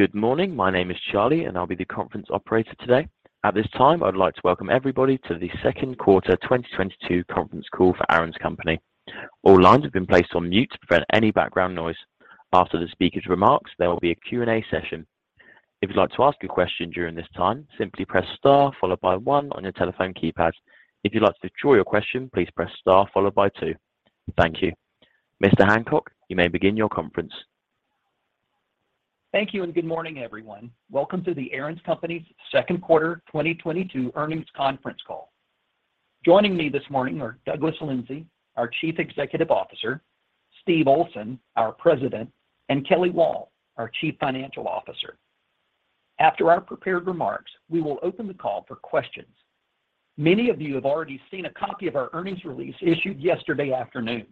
Good morning. My name is Charlie, and I'll be the conference operator today. At this time, I would like to welcome everybody to the second quarter 2022 conference call for Aaron's Company. All lines have been placed on mute to prevent any background noise. After the speaker's remarks, there will be a Q&A session. If you'd like to ask a question during this time, simply press star followed by one on your telephone keypad. If you'd like to withdraw your question, please press star followed by two. Thank you. Mr. Hancock, you may begin your conference. Thank you, and good morning, everyone. Welcome to The Aaron's Company's second quarter 2022 earnings conference call. Joining me this morning are Douglas Lindsay, our Chief Executive Officer, Steve Olsen, our President, and Kelly Wall, our Chief Financial Officer. After our prepared remarks, we will open the call for questions. Many of you have already seen a copy of our earnings release issued yesterday afternoon.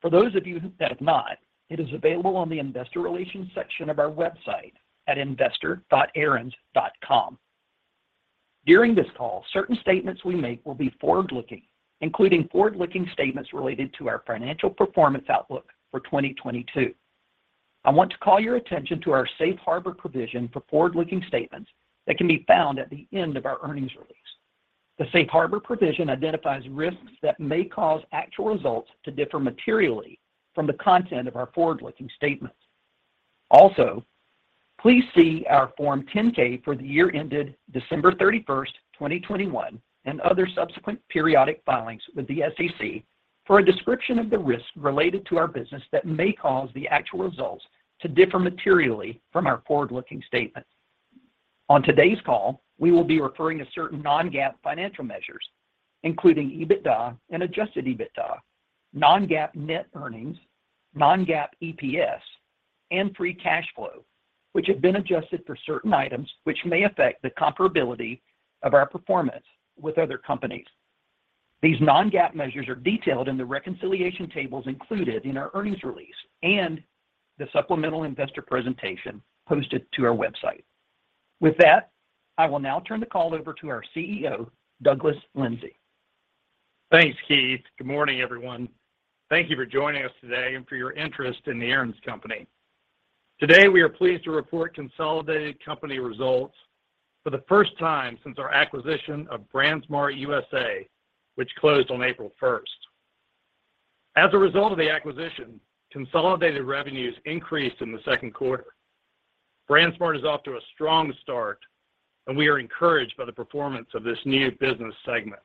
For those of you that have not, it is available on the investor relations section of our website at investor.aarons.com. During this call, certain statements we make will be forward-looking, including forward-looking statements related to our financial performance outlook for 2022. I want to call your attention to our safe harbor provision for forward-looking statements that can be found at the end of our earnings release. The safe harbor provision identifies risks that may cause actual results to differ materially from the content of our forward-looking statements. Also, please see our Form 10-K for the year ended December 31, 2021, and other subsequent periodic filings with the SEC for a description of the risks related to our business that may cause the actual results to differ materially from our forward-looking statements. On today's call, we will be referring to certain non-GAAP financial measures, including EBITDA and adjusted EBITDA, non-GAAP net earnings, non-GAAP EPS, and free cash flow, which have been adjusted for certain items which may affect the comparability of our performance with other companies. These non-GAAP measures are detailed in the reconciliation tables included in our earnings release and the supplemental investor presentation posted to our website. With that, I will now turn the call over to our CEO, Douglas Lindsay. Thanks, Keith. Good morning, everyone. Thank you for joining us today and for your interest in The Aaron's Company. Today, we are pleased to report consolidated company results for the first time since our acquisition of BrandsMart USA, which closed on April first. As a result of the acquisition, consolidated revenues increased in the second quarter. BrandsMart USA is off to a strong start, and we are encouraged by the performance of this new business segment.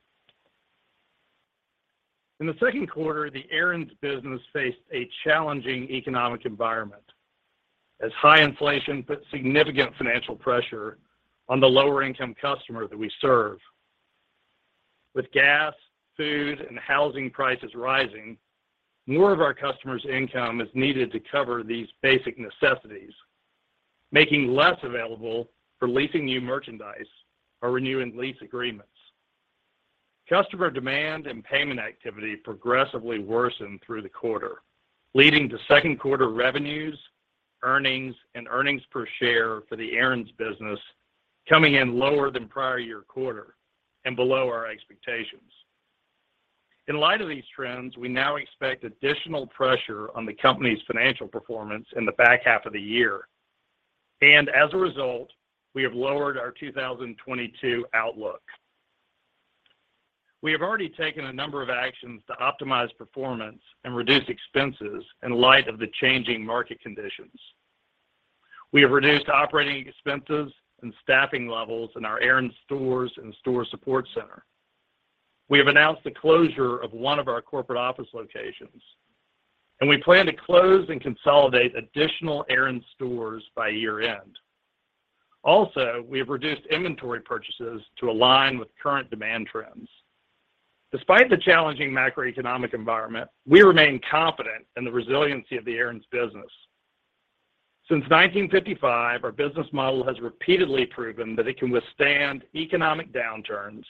In the second quarter, the Aaron's business faced a challenging economic environment as high inflation put significant financial pressure on the lower-income customer that we serve. With gas, food, and housing prices rising, more of our customers' income is needed to cover these basic necessities, making less available for leasing new merchandise or renewing lease agreements. Customer demand and payment activity progressively worsened through the quarter, leading to second quarter revenues, earnings, and earnings per share for the Aaron's business coming in lower than prior year quarter and below our expectations. In light of these trends, we now expect additional pressure on the company's financial performance in the back half of the year. As a result, we have lowered our 2022 outlook. We have already taken a number of actions to optimize performance and reduce expenses in light of the changing market conditions. We have reduced operating expenses and staffing levels in our Aaron's stores and store support center. We have announced the closure of one of our corporate office locations, and we plan to close and consolidate additional Aaron's stores by year-end. Also, we have reduced inventory purchases to align with current demand trends. Despite the challenging macroeconomic environment, we remain confident in the resiliency of the Aaron's business. Since 1955, our business model has repeatedly proven that it can withstand economic downturns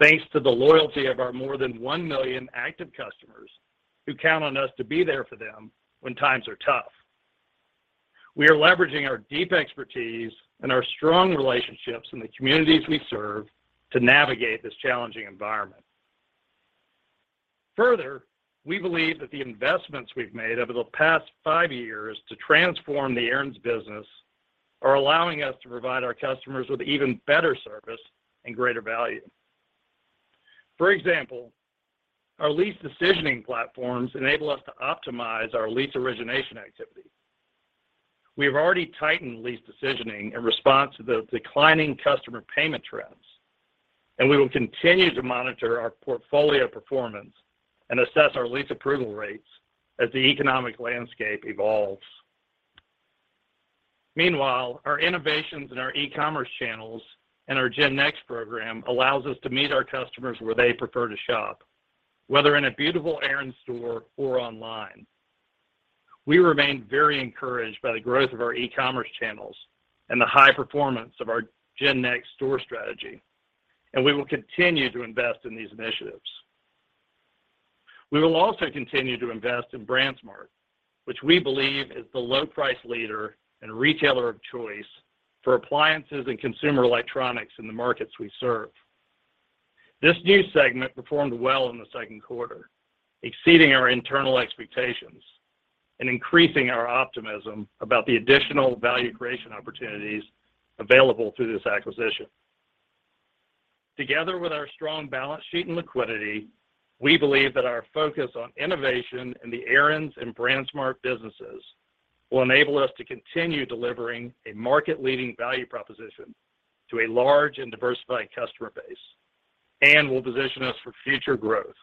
thanks to the loyalty of our more than 1 million active customers who count on us to be there for them when times are tough. We are leveraging our deep expertise and our strong relationships in the communities we serve to navigate this challenging environment. Further, we believe that the investments we've made over the past 5 years to transform the Aaron's business are allowing us to provide our customers with even better service and greater value. For example, our lease decisioning platforms enable us to optimize our lease origination activity. We have already tightened lease decisioning in response to the declining customer payment trends, and we will continue to monitor our portfolio performance and assess our lease approval rates as the economic landscape evolves. Meanwhile, our innovations in our e-commerce channels and our GenNext program allows us to meet our customers where they prefer to shop, whether in a beautiful Aaron's store or online. We remain very encouraged by the growth of our e-commerce channels and the high performance of our GenNext store strategy, and we will continue to invest in these initiatives. We will also continue to invest in BrandsMart, which we believe is the low-price leader and retailer of choice for appliances and consumer electronics in the markets we serve. This new segment performed well in the second quarter, exceeding our internal expectations and increasing our optimism about the additional value creation opportunities available through this acquisition. Together with our strong balance sheet and liquidity, we believe that our focus on innovation in the Aaron's and BrandsMart businesses will enable us to continue delivering a market-leading value proposition to a large and diversified customer base and will position us for future growth.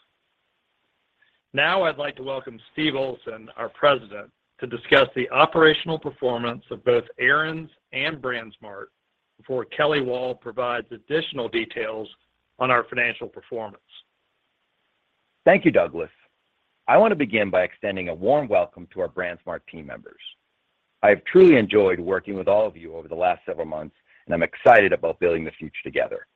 Now, I'd like to welcome Steve Olsen, our President, to discuss the operational performance of both Aaron's and BrandsMart before Kelly Wall provides additional details on our financial performance. Thank you, Douglas. I want to begin by extending a warm welcome to our BrandsMart team members. I have truly enjoyed working with all of you over the last several months, and I'm excited about building the future together.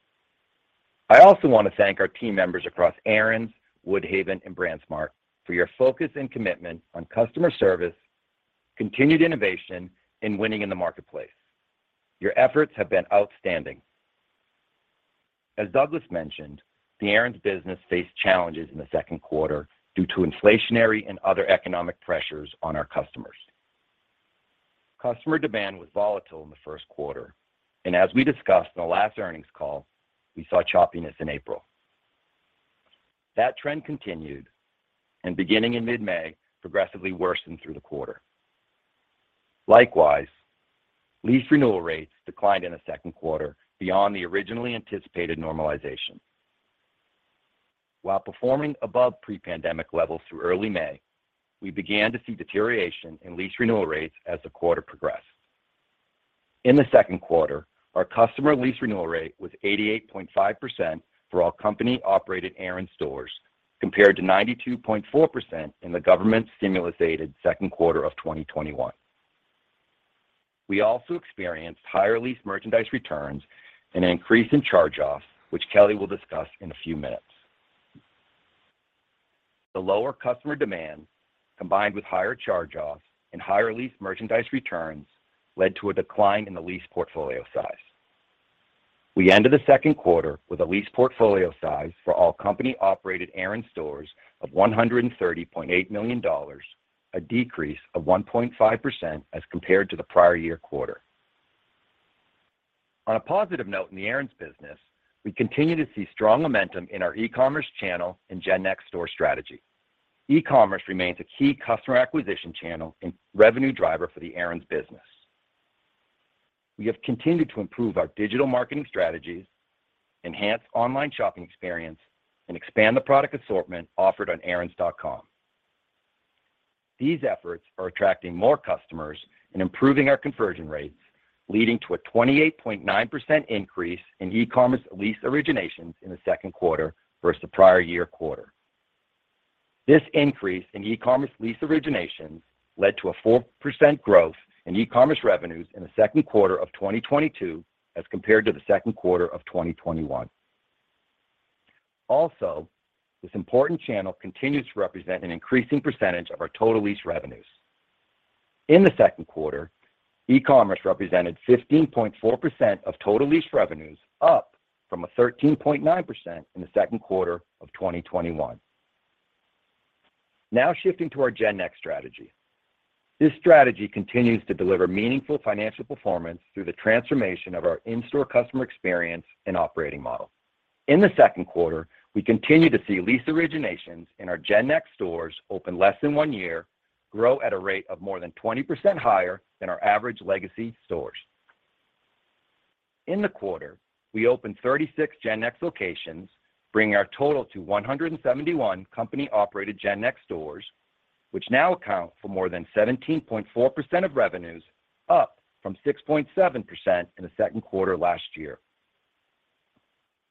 I also want to thank our team members across Aaron's, Woodhaven, and BrandsMart for your focus and commitment on customer service, continued innovation, and winning in the marketplace. Your efforts have been outstanding. As Douglas mentioned, the Aaron's business faced challenges in the second quarter due to inflationary and other economic pressures on our customers. Customer demand was volatile in the first quarter, and as we discussed in the last earnings call, we saw choppiness in April. That trend continued and beginning in mid-May, progressively worsened through the quarter. Likewise, lease renewal rates declined in the second quarter beyond the originally anticipated normalization. While performing above pre-pandemic levels through early May, we began to see deterioration in lease renewal rates as the quarter progressed. In the second quarter, our customer lease renewal rate was 88.5% for all company-operated Aaron's stores, compared to 92.4% in the government stimulus-aided second quarter of 2021. We also experienced higher lease merchandise returns and an increase in charge-offs, which Kelly will discuss in a few minutes. The lower customer demand, combined with higher charge-offs and higher lease merchandise returns, led to a decline in the lease portfolio size. We ended the second quarter with a lease portfolio size for all company-operated Aaron's stores of $130.8 million, a decrease of 1.5% as compared to the prior year quarter. On a positive note in the Aaron's business, we continue to see strong momentum in our e-commerce channel and GenNext store strategy. E-commerce remains a key customer acquisition channel and revenue driver for the Aaron's business. We have continued to improve our digital marketing strategies, enhance online shopping experience, and expand the product assortment offered on aarons.com. These efforts are attracting more customers and improving our conversion rates, leading to a 28.9% increase in e-commerce lease originations in the second quarter versus the prior year quarter. This increase in e-commerce lease originations led to a 4% growth in e-commerce revenues in the second quarter of 2022 as compared to the second quarter of 2021. Also, this important channel continues to represent an increasing percentage of our total lease revenues. In the second quarter, e-commerce represented 15.4% of total lease revenues, up from a 13.9% in the second quarter of 2021. Now shifting to our GenNext strategy. This strategy continues to deliver meaningful financial performance through the transformation of our in-store customer experience and operating model. In the second quarter, we continue to see lease originations in our GenNext stores open less than one year grow at a rate of more than 20% higher than our average legacy stores. In the quarter, we opened 36 GenNext locations, bringing our total to 171 company-operated GenNext stores, which now account for more than 17.4% of revenues, up from 6.7% in the second quarter last year.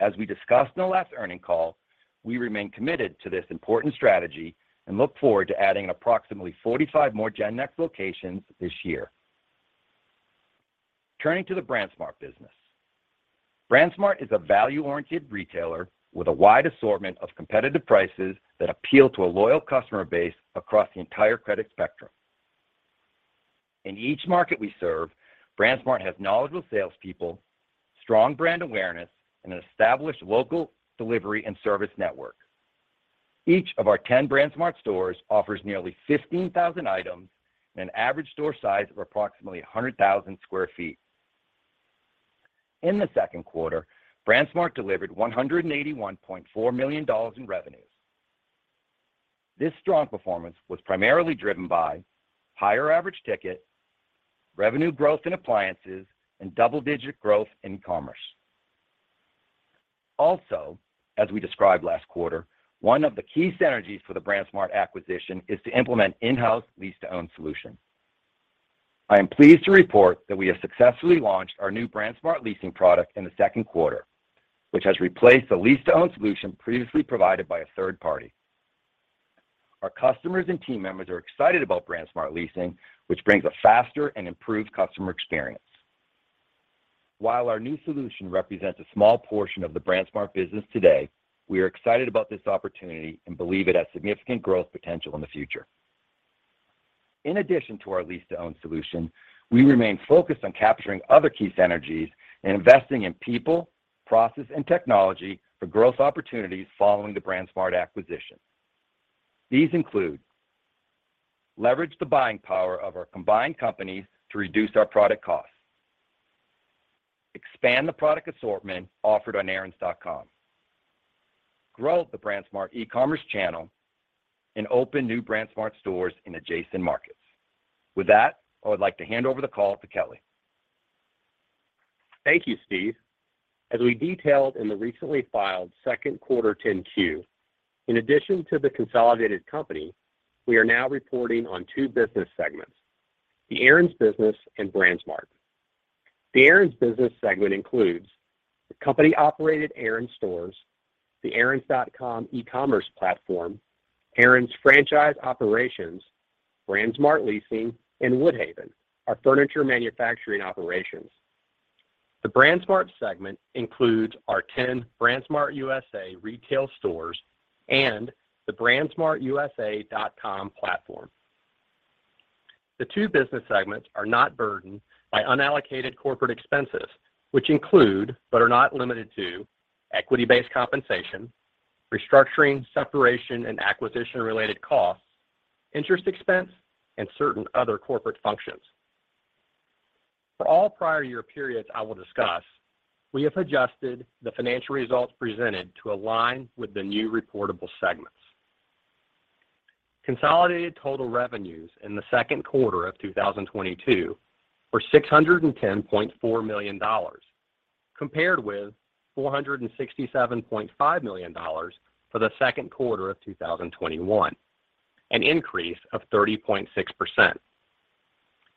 As we discussed in the last earnings call, we remain committed to this important strategy and look forward to adding approximately 45 more GenNext locations this year. Turning to the BrandsMart business. BrandsMart is a value-oriented retailer with a wide assortment of competitive prices that appeal to a loyal customer base across the entire credit spectrum. In each market we serve, BrandsMart has knowledgeable salespeople, strong brand awareness, and an established local delivery and service network. Each of our 10 BrandsMart stores offers nearly 15,000 items and an average store size of approximately 100,000 sq ft. In the second quarter, BrandsMart delivered $181.4 million in revenues. This strong performance was primarily driven by higher average ticket, revenue growth in appliances, and double-digit growth in e-commerce. Also, as we described last quarter, one of the key synergies for the BrandsMart acquisition is to implement in-house lease-to-own solution. I am pleased to report that we have successfully launched our new BrandsMart Leasing product in the second quarter, which has replaced the lease-to-own solution previously provided by a third party. Our customers and team members are excited about BrandsMart Leasing, which brings a faster and improved customer experience. While our new solution represents a small portion of the BrandsMart business today, we are excited about this opportunity and believe it has significant growth potential in the future. In addition to our lease-to-own solution, we remain focused on capturing other key synergies and investing in people, process, and technology for growth opportunities following the BrandsMart acquisition. These include leveraging the buying power of our combined companies to reduce our product costs, expand the product assortment offered on aarons.com, grow the BrandsMart e-commerce channel and open new BrandsMart stores in adjacent markets. With that, I would like to hand over the call to Kelly. Thank you, Steve. As we detailed in the recently filed second quarter 10-Q, in addition to the consolidated company, we are now reporting on two business segments, the Aaron's business and BrandsMart. The Aaron's business segment includes the company-operated Aaron's Stores, the aarons.com e-commerce platform, Aaron's franchise operations, BrandsMart Leasing, and Woodhaven, our furniture manufacturing operations. The BrandsMart segment includes our 10 BrandsMart USA retail stores and the brandsmartusa.com platform. The two business segments are not burdened by unallocated corporate expenses, which include, but are not limited to equity-based compensation, restructuring, separation, and acquisition-related costs, interest expense and certain other corporate functions. For all prior year periods I will discuss, we have adjusted the financial results presented to align with the new reportable segments. Consolidated total revenues in the second quarter of 2022 were $610.4 million, compared with $467.5 million for the second quarter of 2021, an increase of 30.6%.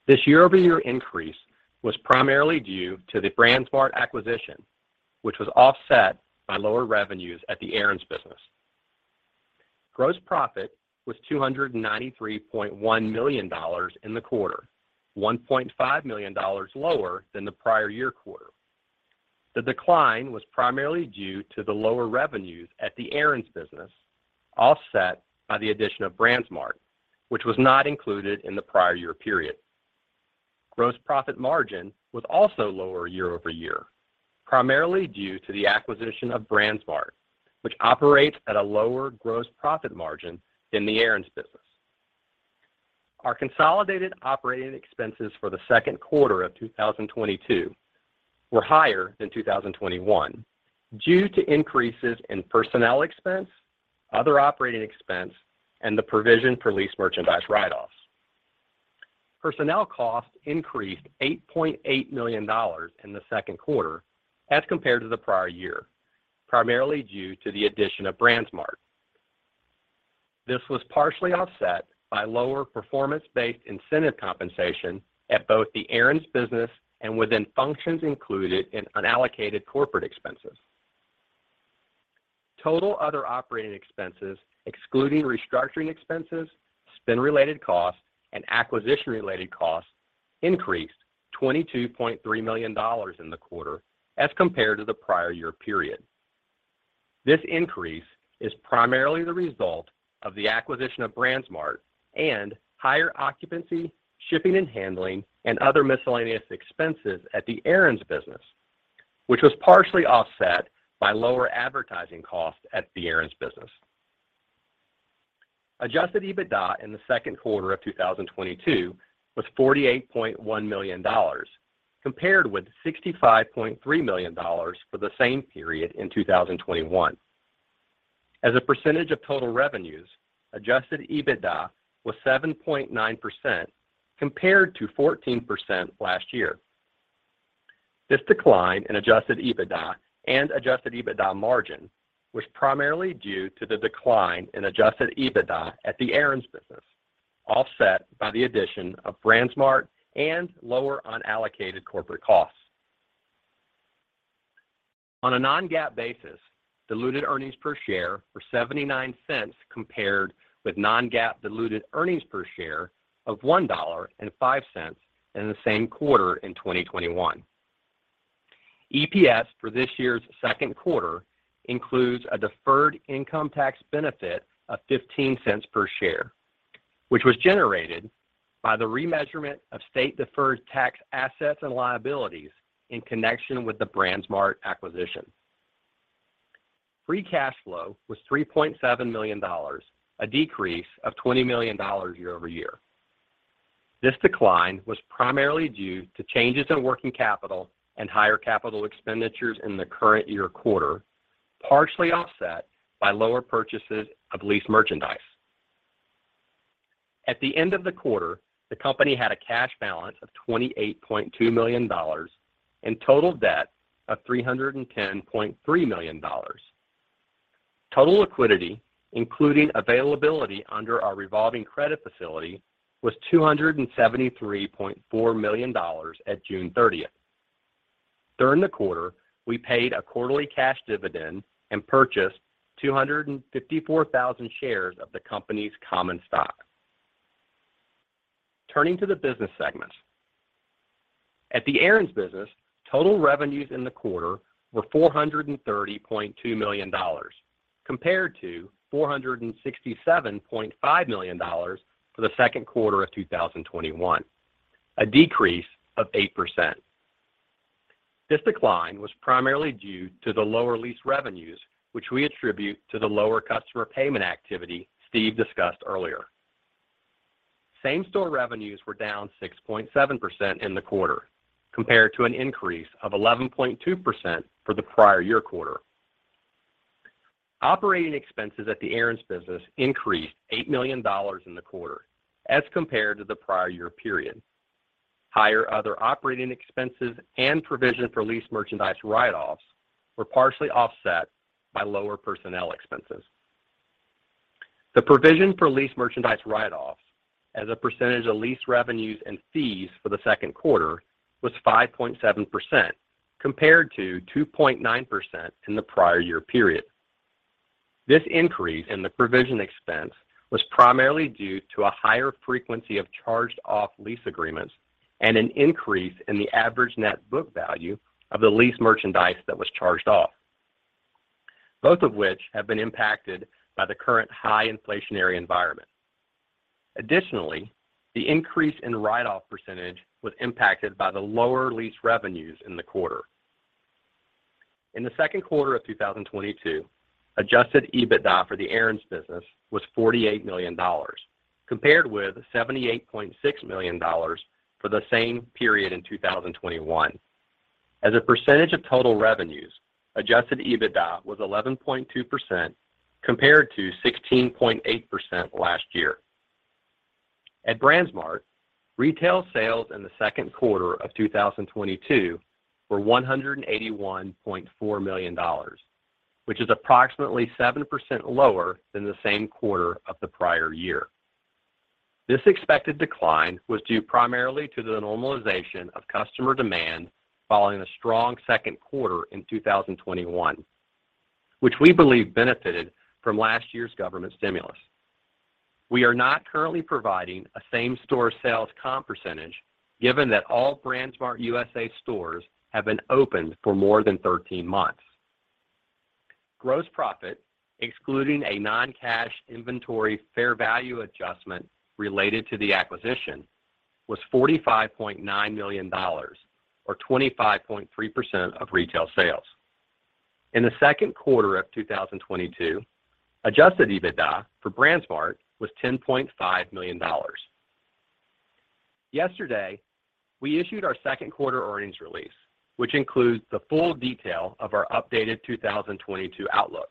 This year-over-year increase was primarily due to the BrandsMart acquisition, which was offset by lower revenues at the Aaron's business. Gross profit was $293.1 million in the quarter, $1.5 million lower than the prior year quarter. The decline was primarily due to the lower revenues at the Aaron's business, offset by the addition of BrandsMart, which was not included in the prior year period. Gross profit margin was also lower year-over-year, primarily due to the acquisition of BrandsMart, which operates at a lower gross profit margin than the Aaron's business. Our consolidated operating expenses for the second quarter of 2022 were higher than 2021 due to increases in personnel expense, other operating expense, and the provision for leased merchandise write-offs. Personnel costs increased $8.8 million in the second quarter as compared to the prior year, primarily due to the addition of BrandsMart. This was partially offset by lower performance-based incentive compensation at both the Aaron's business and within functions included in unallocated corporate expenses. Total other operating expenses excluding restructuring expenses, spin-related costs and acquisition-related costs increased $22.3 million in the quarter as compared to the prior year period. This increase is primarily the result of the acquisition of BrandsMart and higher occupancy, shipping and handling and other miscellaneous expenses at the Aaron's business, which was partially offset by lower advertising costs at the Aaron's business. Adjusted EBITDA in the second quarter of 2022 was $48.1 million, compared with $65.3 million for the same period in 2021. As a percentage of total revenues, adjusted EBITDA was 7.9% compared to 14% last year. This decline in adjusted EBITDA and adjusted EBITDA margin was primarily due to the decline in adjusted EBITDA at the Aaron's business, offset by the addition of BrandsMart and lower unallocated corporate costs. On a non-GAAP basis, diluted earnings per share were $0.79, compared with non-GAAP diluted earnings per share of $1.05 in the same quarter in 2021. EPS for this year's second quarter includes a deferred income tax benefit of $0.15 per share, which was generated by the remeasurement of state-deferred tax assets and liabilities in connection with the BrandsMart acquisition. Free cash flow was $3.7 million, a decrease of $20 million year-over-year. This decline was primarily due to changes in working capital and higher capital expenditures in the current year quarter, partially offset by lower purchases of leased merchandise. At the end of the quarter, the company had a cash balance of $28.2 million and total debt of $310.3 million. Total liquidity, including availability under our revolving credit facility, was $273.4 million at June thirtieth. During the quarter, we paid a quarterly cash dividend and purchased 254,000 shares of the company's common stock. Turning to the business segments. At the Aaron's business, total revenues in the quarter were $430.2 million compared to $467.5 million for the second quarter of 2021, a decrease of 8%. This decline was primarily due to the lower lease revenues, which we attribute to the lower customer payment activity Steve discussed earlier. Same-store revenues were down 6.7% in the quarter compared to an increase of 11.2% for the prior year quarter. Operating expenses at the Aaron's business increased $8 million in the quarter as compared to the prior year period. Higher other operating expenses and provision for leased merchandise write-offs were partially offset by lower personnel expenses. The provision for leased merchandise write-offs as a percentage of lease revenues and fees for the second quarter was 5.7% compared to 2.9% in the prior year period. This increase in the provision expense was primarily due to a higher frequency of charged off lease agreements and an increase in the average net book value of the lease merchandise that was charged off, both of which have been impacted by the current high inflationary environment. Additionally, the increase in write-off percentage was impacted by the lower lease revenues in the quarter. In the second quarter of 2022, adjusted EBITDA for the Aaron's business was $48 million, compared with $78.6 million for the same period in 2021. As a percentage of total revenues, adjusted EBITDA was 11.2% compared to 16.8% last year. At BrandsMart, retail sales in the second quarter of 2022 were $181.4 million, which is approximately 7% lower than the same quarter of the prior year. This expected decline was due primarily to the normalization of customer demand following a strong second quarter in 2021, which we believe benefited from last year's government stimulus. We are not currently providing a same-store sales comp percentage, given that all BrandsMart USA stores have been open for more than 13 months. Gross profit, excluding a non-cash inventory fair value adjustment related to the acquisition, was $45.9 million or 25.3% of retail sales. In the second quarter of 2022, adjusted EBITDA for BrandsMart was $10.5 million. Yesterday, we issued our second quarter earnings release, which includes the full detail of our updated 2022 outlook.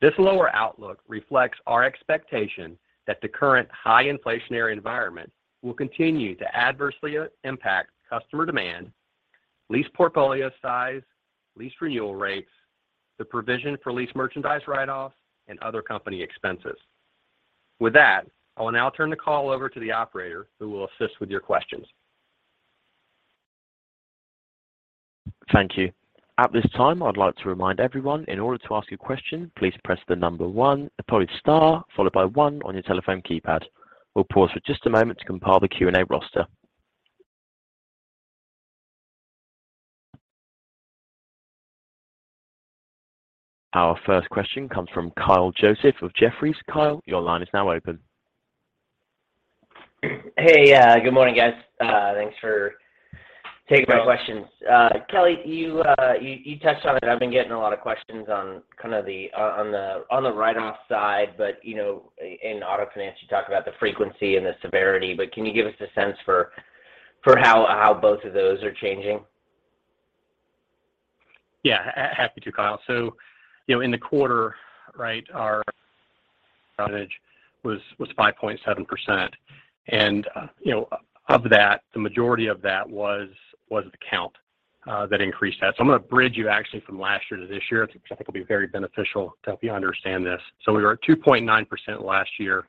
This lower outlook reflects our expectation that the current high inflationary environment will continue to adversely impact customer demand, lease portfolio size, lease renewal rates, the provision for lease merchandise write-offs, and other company expenses. With that, I will now turn the call over to the operator, who will assist with your questions. Thank you. At this time, I'd like to remind everyone in order to ask a question, please press the number 1, followed by star, followed by 1 on your telephone keypad. We'll pause for just a moment to compile the Q&A roster. Our first question comes from Kyle Joseph of Jefferies. Kyle, your line is now open. Hey, good morning, guys. Thanks for taking my questions. Sure. Kelly, you touched on it. I've been getting a lot of questions on kind of the write-off side. You know, in auto finance, you talk about the frequency and the severity, but can you give us a sense for how both of those are changing? Yeah. Happy to, Kyle. You know, in the quarter, right, our write-off was 5.7%. You know, of that, the majority of that was the count that increased that. I'm gonna bridge you actually from last year to this year, which I think will be very beneficial to help you understand this. We were at 2.9% last year,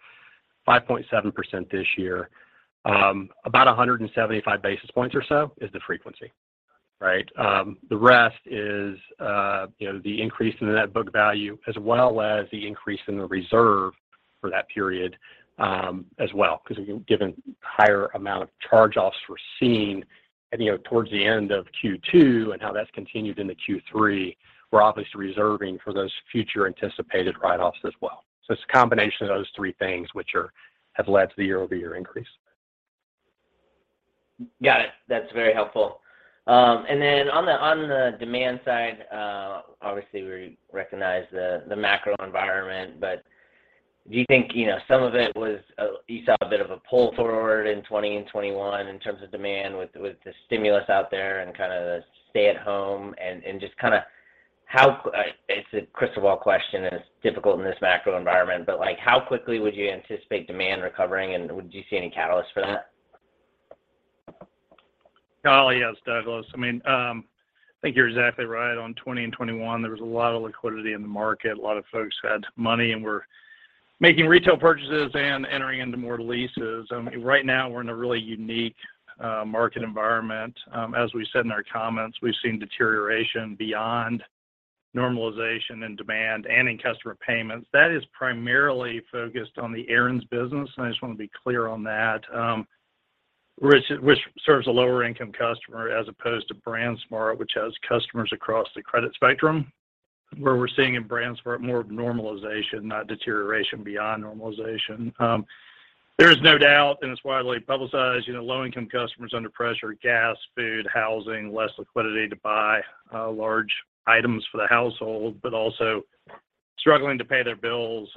5.7% this year. About 175 basis points or so is the frequency, right? The rest is, you know, the increase in the net book value as well as the increase in the reserve for that period, as well, 'cause given higher amount of charge-offs we're seeing, and, you know, towards the end of Q2 and how that's continued into Q3, we're obviously reserving for those future anticipated write-offs as well. So it's a combination of those three things which have led to the year-over-year increase. Got it. That's very helpful. On the demand side, obviously we recognize the macro environment, but do you think, you know, some of it was, you saw a bit of a pull forward in 2020 and 2021 in terms of demand with the stimulus out there and kind of the stay at home and just kinda how it's a crystal ball question and it's difficult in this macro environment, but, like, how quickly would you anticipate demand recovering, and would you see any catalyst for that? Kyle, yes, Douglas. I mean, I think you're exactly right. On 2020 and 2021, there was a lot of liquidity in the market. A lot of folks had money and were making retail purchases and entering into more leases. I mean, right now we're in a really unique, market environment. As we said in our comments, we've seen deterioration beyond normalization in demand and in customer payments. That is primarily focused on the Aaron's business, and I just wanna be clear on that, which serves a lower-income customer as opposed to BrandsMart, which has customers across the credit spectrum, where we're seeing in BrandsMart more of normalization, not deterioration beyond normalization. There is no doubt, and it's widely publicized, you know, low-income customers under pressure, gas, food, housing, less liquidity to buy, large items for the household, but also struggling to pay their bills.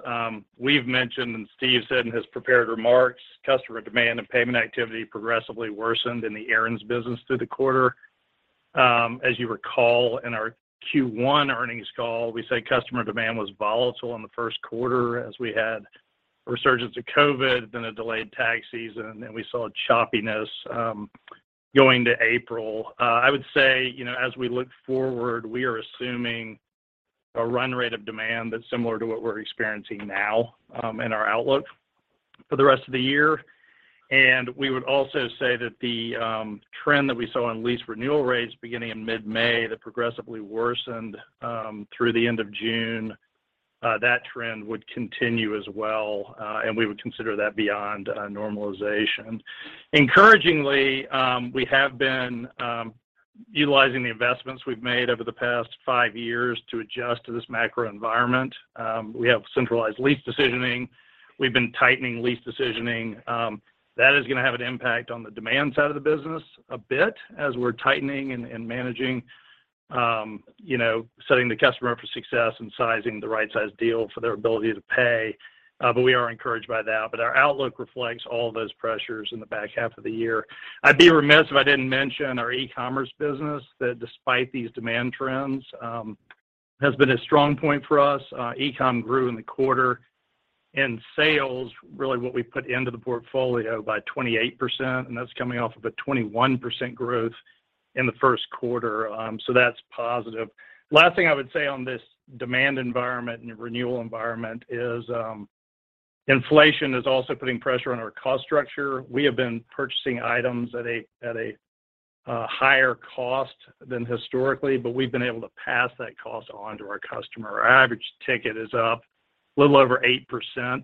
We've mentioned, and Steve said in his prepared remarks, customer demand and payment activity progressively worsened in the Aaron's business through the quarter. As you recall, in our Q1 earnings call, we said customer demand was volatile in the first quarter as we had a resurgence of COVID, then a delayed tax season, and we saw choppiness going to April. I would say, you know, as we look forward, we are assuming a run rate of demand that's similar to what we're experiencing now in our outlook for the rest of the year. We would also say that the trend that we saw in lease renewal rates beginning in mid-May that progressively worsened through the end of June, that trend would continue as well, and we would consider that beyond normalization. Encouragingly, we have been utilizing the investments we've made over the past five years to adjust to this macro environment. We have centralized lease decisioning. We've been tightening lease decisioning. That is gonna have an impact on the demand side of the business a bit as we're tightening and managing, you know, setting the customer up for success and sizing the right size deal for their ability to pay. We are encouraged by that. Our outlook reflects all those pressures in the back half of the year. I'd be remiss if I didn't mention our e-commerce business that despite these demand trends, has been a strong point for us. E-com grew in the quarter. In sales, really what we put into the portfolio by 28%, and that's coming off of a 21% growth in the first quarter. That's positive. Last thing I would say on this demand environment and renewal environment is, inflation is also putting pressure on our cost structure. We have been purchasing items at a higher cost than historically, but we've been able to pass that cost on to our customer. Our average ticket is up a little over 8%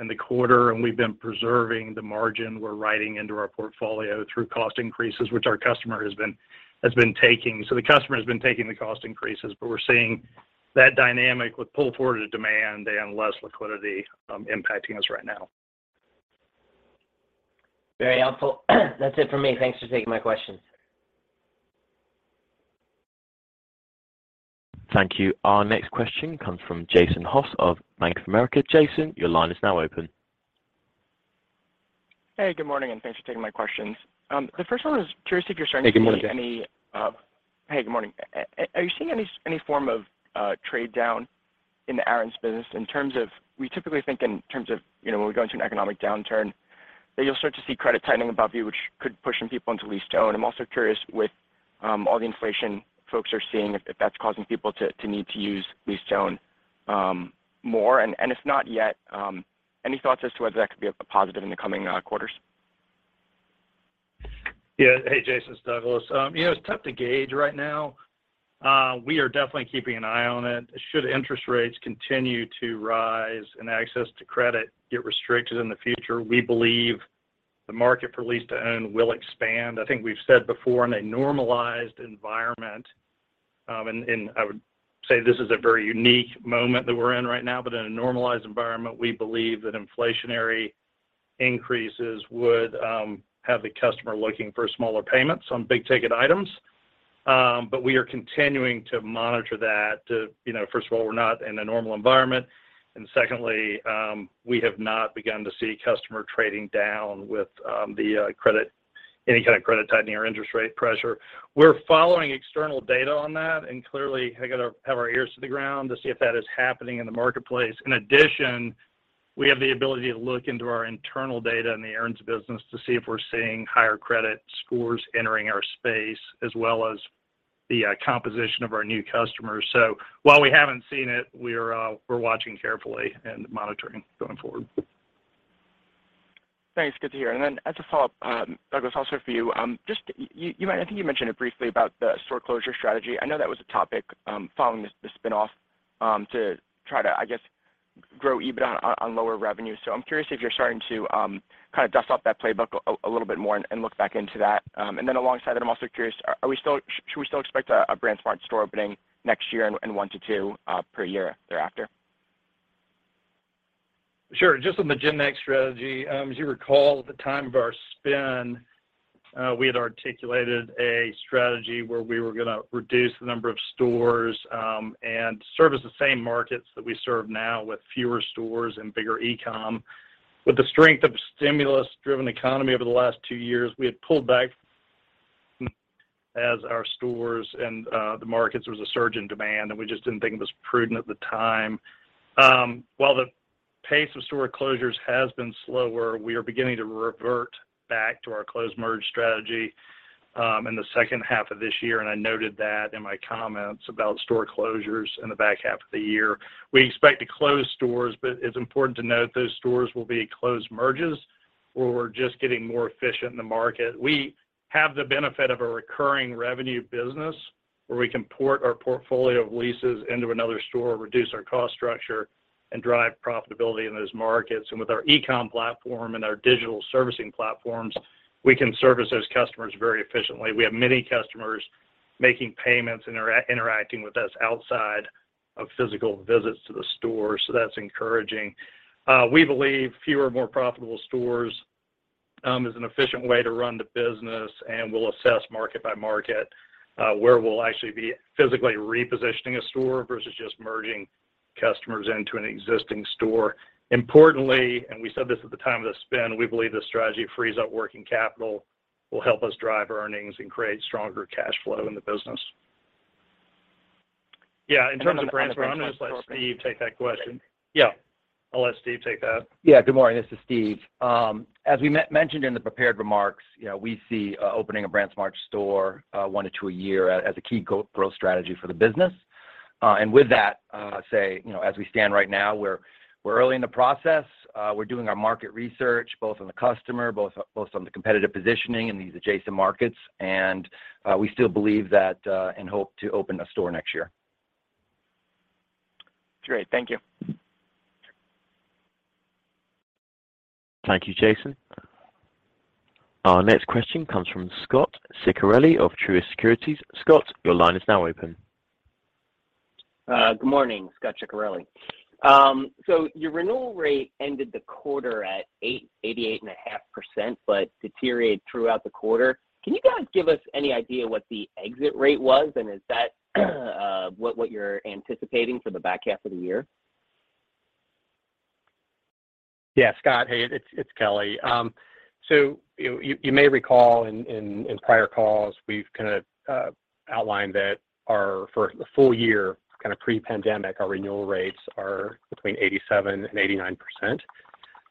in the quarter, and we've been preserving the margin we're writing into our portfolio through cost increases, which our customer has been taking. The customer's been taking the cost increases, but we're seeing that dynamic with pulled-forward demand and less liquidity, impacting us right now. Very helpful. That's it for me. Thanks for taking my question. Thank you. Our next question comes from Jason Haas of Bank of America. Jason, your line is now open. Hey, good morning, and thanks for taking my questions. The first one was curious if you're starting to see any. Hey, good morning, Jason. Hey, good morning. Are you seeing any form of trade down in the Aaron's business in terms of. We typically think in terms of, you know, when we go into an economic downturn, that you'll start to see credit tightening above you, which could push some people into lease to own. I'm also curious with all the inflation folks are seeing if that's causing people to need to use lease to own more. If not yet, any thoughts as to whether that could be a positive in the coming quarters? Yeah. Hey, Jason, it's Douglas. You know, it's tough to gauge right now. We are definitely keeping an eye on it. Should interest rates continue to rise and access to credit get restricted in the future, we believe the market for lease-to-own will expand. I think we've said before in a normalized environment, and I would say this is a very unique moment that we're in right now, but in a normalized environment, we believe that inflationary increases would have the customer looking for smaller payments on big-ticket items. We are continuing to monitor that. You know, first of all, we're not in a normal environment, and secondly, we have not begun to see customer trading down with any kind of credit tightening or interest rate pressure. We're following external data on that, and clearly, we gotta have our ears to the ground to see if that is happening in the marketplace. In addition, we have the ability to look into our internal data in the Aaron's business to see if we're seeing higher credit scores entering our space as well as the composition of our new customers. While we haven't seen it, we're watching carefully and monitoring going forward. Thanks. Good to hear. Then as a follow-up, Douglas, also for you, just you, I think you mentioned it briefly about the store closure strategy. I know that was a topic following this spin-off to try to, I guess, grow EBITDA on lower revenue. I'm curious if you're starting to kind of dust off that playbook a little bit more and look back into that. Then alongside that, I'm also curious, should we still expect a BrandsMart store opening next year and 1 to 2 per year thereafter? Sure. Just on the GenNext strategy, as you recall, at the time of our spin, we had articulated a strategy where we were gonna reduce the number of stores, and service the same markets that we serve now with fewer stores and bigger e-com. With the strength of stimulus-driven economy over the last two years, we had pulled back as our stores and the markets, there was a surge in demand, and we just didn't think it was prudent at the time. While the pace of store closures has been slower, we are beginning to revert back to our close-merge strategy, in the second half of this year, and I noted that in my comments about store closures in the back half of the year. We expect to close stores, but it's important to note those stores will be closed merges or we're just getting more efficient in the market. We have the benefit of a recurring revenue business where we can port our portfolio of leases into another store, reduce our cost structure, and drive profitability in those markets. With our e-com platform and our digital servicing platforms, we can service those customers very efficiently. We have many customers making payments, interacting with us outside of physical visits to the store, so that's encouraging. We believe fewer, more profitable stores is an efficient way to run the business, and we'll assess market by market where we'll actually be physically repositioning a store versus just merging customers into an existing store. Importantly, we said this at the time of the spin, we believe this strategy frees up working capital, will help us drive earnings, and create stronger cash flow in the business. Yeah, in terms of BrandsMart, I'm gonna just let Steve take that question. Yeah. I'll let Steve take that. Yeah. Good morning, this is Steve. As we mentioned in the prepared remarks, you know, we see opening a BrandsMart store 1 to 2 a year as a key growth strategy for the business. With that, so, you know, as we stand right now, we're early in the process. We're doing our market research, both on the customer and on the competitive positioning in these adjacent markets. We still believe that and hope to open a store next year. Great. Thank you. Thank you, Jason. Our next question comes from Scot Ciccarelli of Truist Securities. Scott, your line is now open. Good morning. Scot Ciccarelli. Your renewal rate ended the quarter at 88.5%, but deteriorated throughout the quarter. Can you guys give us any idea what the exit rate was, and is that what you're anticipating for the back half of the year? Yeah, Scott. Hey, it's Kelly. So you may recall in prior calls, we've kind of outlined that for the full year, kind of pre-pandemic, our renewal rates are between 87% and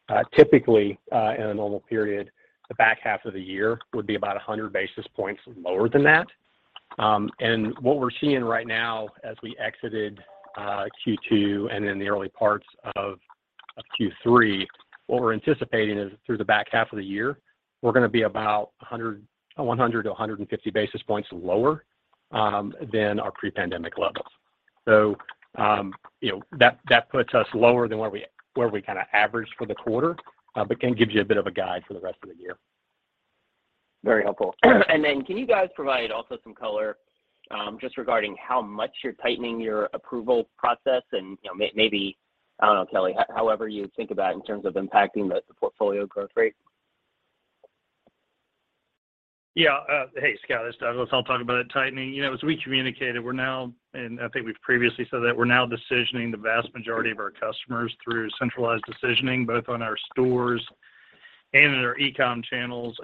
89%. Typically, in a normal period, the back half of the year would be about 100 basis points lower than that. What we're seeing right now as we exited Q2 and in the early parts of Q3, what we're anticipating is through the back half of the year, we're gonna be about 100-150 basis points lower than our pre-pandemic levels. You know, that puts us lower than where we kind of averaged for the quarter, but kind of gives you a bit of a guide for the rest of the year. Very helpful. Yeah. Can you guys provide also some color, just regarding how much you're tightening your approval process and, you know, maybe, I don't know, Kelly, however you think about it in terms of impacting the portfolio growth rate? Yeah. Hey, Scott, it's Douglas. I'll talk about tightening. You know, as we communicated, we're now, and I think we've previously said that, we're now decisioning the vast majority of our customers through centralized decisioning, both on our stores and in our e-com channels.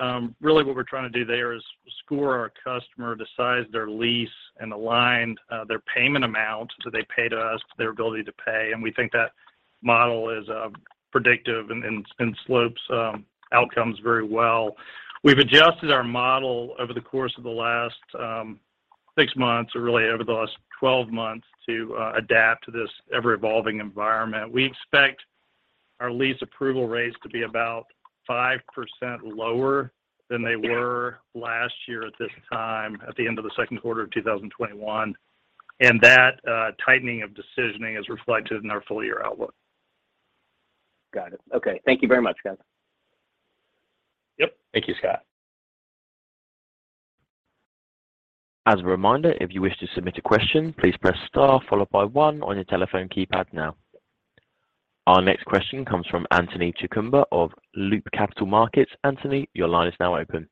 Really what we're trying to do there is score our customer to size their lease and align their payment amount, so they pay to us their ability to pay. We think that model is predictive and shapes outcomes very well. We've adjusted our model over the course of the last 6 months or really over the last 12 months to adapt to this ever-evolving environment. We expect our lease approval rates to be about 5% lower than they were last year at this time, at the end of the second quarter of 2021. That tightening of decisioning is reflected in our full year outlook. Got it. Okay. Thank you very much, guys. Yep. Thank you, Scot. As a reminder, if you wish to submit a question, please press star followed by one on your telephone keypad now. Our next question comes from Anthony Chukumba of Loop Capital Markets. Anthony, your line is now open.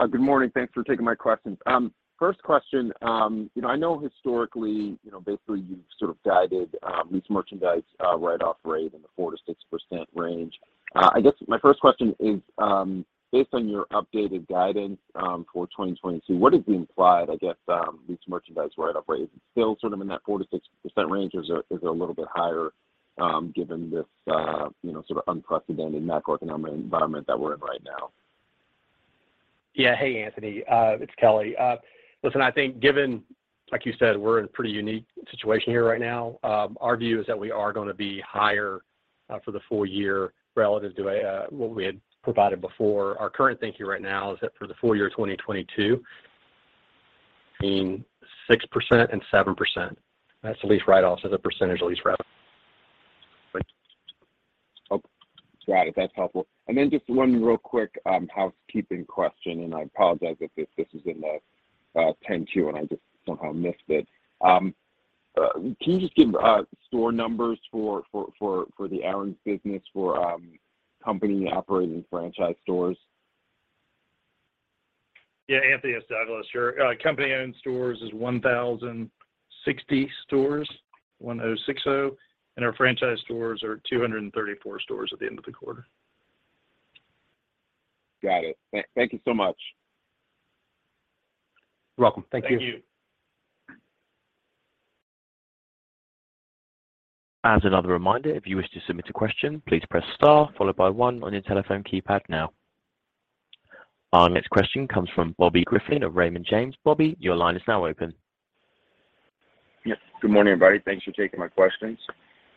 Good morning. Thanks for taking my questions. First question, you know, I know historically, you know, basically you've sort of guided leased merchandise write-off rate in the 4%-6% range. I guess my first question is, based on your updated guidance for 2022, what is the implied, I guess, leased merchandise write-off rate? Is it still sort of in that 4%-6% range or is it a little bit higher, given this, you know, sort of unprecedented macroeconomic environment that we're in right now? Yeah. Hey, Anthony. It's Kelly. Listen, I think given, like you said, we're in a pretty unique situation here right now. Our view is that we are gonna be higher for the full year relative to what we had provided before. Our current thinking right now is that for the full year 2022, between 6% and 7%. That's the lease write-offs as a percentage of lease revenue. Great. Oh, got it. That's helpful. Just one real quick housekeeping question, and I apologize if this is in the 10-Q, and I just somehow missed it. Can you just give store numbers for the Aaron's business for company-operated and franchise stores? Yeah, Anthony, it's Douglas here. Company-owned stores is 1,060 stores, and our franchise stores are 234 stores at the end of the quarter. Got it. Thank you so much. You're welcome. Thank you. Thank you. As another reminder, if you wish to submit a question, please press star followed by one on your telephone keypad now. Our next question comes from Bobby Griffin of Raymond James. Bobby, your line is now open. Good morning, everybody. Thanks for taking my questions.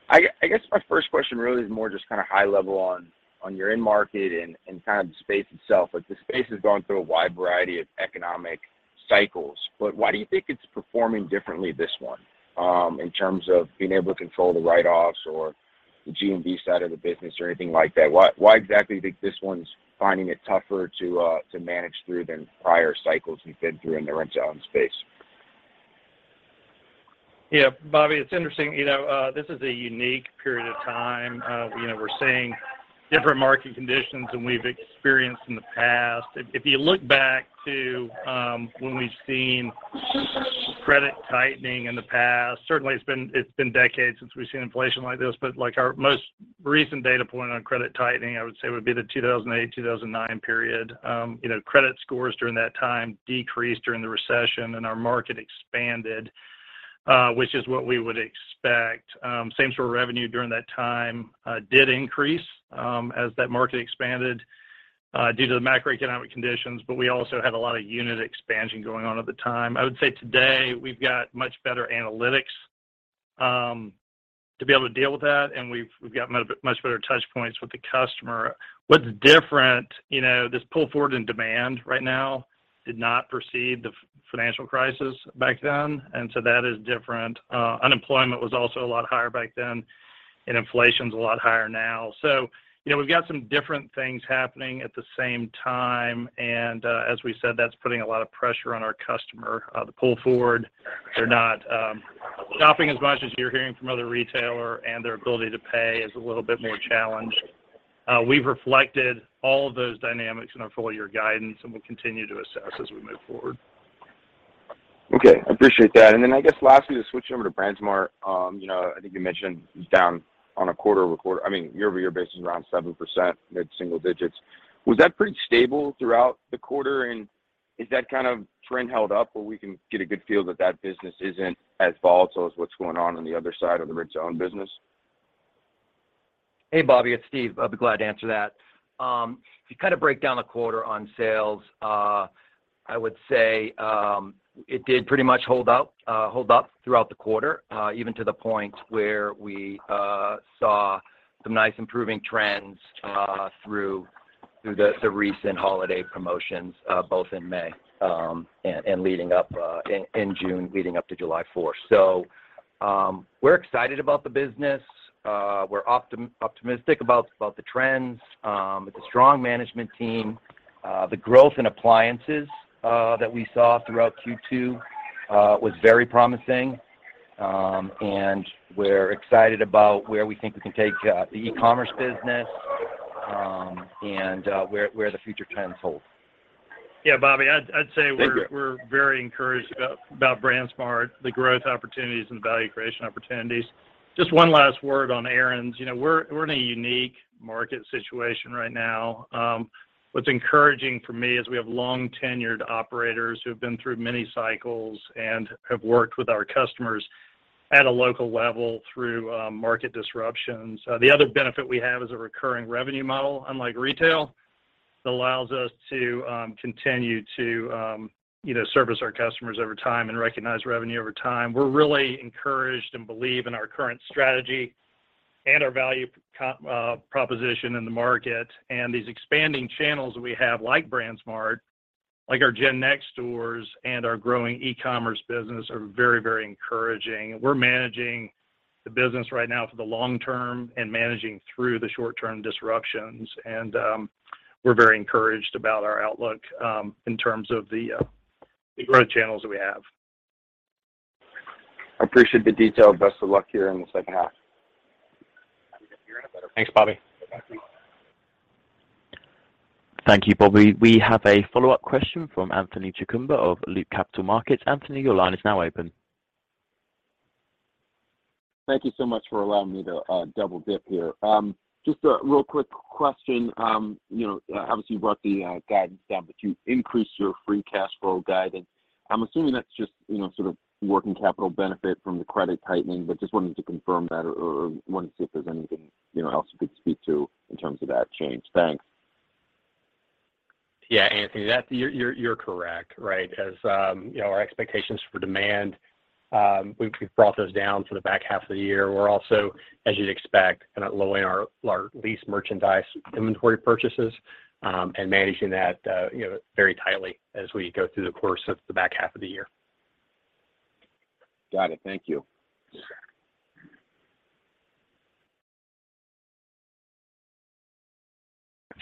I guess my first question really is more just kind of high level on your end market and kind of the space itself. Like, the space has gone through a wide variety of economic cycles. Why do you think it's performing differently this one, in terms of being able to control the write-offs or the GMV side of the business or anything like that? Why exactly do you think this one's finding it tougher to manage through than prior cycles we've been through in the rent-to-own space? Yeah. Bobby, it's interesting. You know, this is a unique period of time. You know, we're seeing different market conditions than we've experienced in the past. If you look back to when we've seen credit tightening in the past, certainly it's been decades since we've seen inflation like this. Like, our most recent data point on credit tightening, I would say, would be the 2008, 2009 period. You know, credit scores during that time decreased during the recession and our market expanded, which is what we would expect. Same-store revenues during that time did increase, as that market expanded, due to the macroeconomic conditions, but we also had a lot of unit expansion going on at the time. I would say today, we've got much better analytics to be able to deal with that, and we've got much better touch points with the customer. What's different, you know, this pull forward in demand right now did not precede the financial crisis back then, and so that is different. Unemployment was also a lot higher back then, and inflation's a lot higher now. You know, we've got some different things happening at the same time. As we said, that's putting a lot of pressure on our customer, the pull forward. They're not shopping as much as you're hearing from other retailers, and their ability to pay is a little bit more challenged. We've reflected all of those dynamics in our full year guidance, and we'll continue to assess as we move forward. Okay. I appreciate that. I guess lastly, to switch over to BrandsMart. You know, I think you mentioned it was down on a year-over-year basis, around 7%, mid-single digits. Was that pretty stable throughout the quarter, and has that kind of trend held up where we can get a good feel that that business isn't as volatile as what's going on on the other side of the rent-to-own business? Hey, Bobby, it's Steve. I'll be glad to answer that. If you kind of break down the quarter on sales, I would say it did pretty much hold up throughout the quarter, even to the point where we saw some nice improving trends through the recent holiday promotions, both in May and leading up in June leading up to July Fourth. We're excited about the business. We're optimistic about the trends. It's a strong management team. The growth in appliances that we saw throughout Q2 was very promising. We're excited about where we think we can take the e-commerce business, and where the future trends hold. Yeah. Bobby, I'd say we're- Thank you. We're very encouraged about BrandsMart, the growth opportunities and value creation opportunities. Just one last word on Aaron's. You know, we're in a unique market situation right now. What's encouraging for me is we have long-tenured operators who've been through many cycles and have worked with our customers at a local level through market disruptions. The other benefit we have is a recurring revenue model, unlike retail. It allows us to continue to, you know, service our customers over time and recognize revenue over time. We're really encouraged and believe in our current strategy and our value proposition in the market. These expanding channels we have, like BrandsMart, like our GenNext stores and our growing e-commerce business are very, very encouraging. We're managing the business right now for the long term and managing through the short-term disruptions. We're very encouraged about our outlook in terms of the growth channels that we have. I appreciate the detail. Best of luck here in the second half. Thanks, Bobby. Thank you. Thank you, Bobby. We have a follow-up question from Anthony Chukumba of Loop Capital Markets. Anthony, your line is now open. Thank you so much for allowing me to double-dip here. Just a real quick question. You know, obviously you brought the guidance down, but you increased your free cash flow guidance. I'm assuming that's just, you know, sort of working capital benefit from the credit tightening, but just wanted to confirm that or wanted to see if there's anything, you know, else you could speak to in terms of that change. Thanks. Yeah, Anthony, you're correct. Right. As you know, our expectations for demand, we've brought those down for the back half of the year. We're also, as you'd expect, kind of lowering our lease merchandise inventory purchases and managing that, you know, very tightly as we go through the course of the back half of the year. Got it. Thank you. Sure.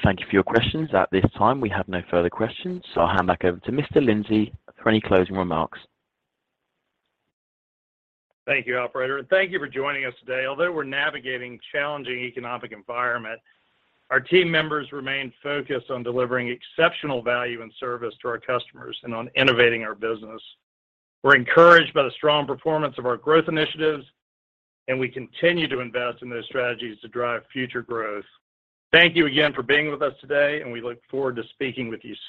Thank you for your questions. At this time, we have no further questions, so I'll hand back over to Mr. Lindsay for any closing remarks. Thank you, operator. Thank you for joining us today. Although we're navigating challenging economic environment, our team members remain focused on delivering exceptional value and service to our customers and on innovating our business. We're encouraged by the strong performance of our growth initiatives, and we continue to invest in those strategies to drive future growth. Thank you again for being with us today, and we look forward to speaking with you soon.